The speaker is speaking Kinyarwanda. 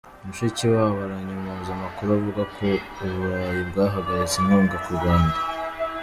Mushikiwabo aranyomoza amakuru avuga ko u Burayi bwahagaritse inkunga ku Rwanda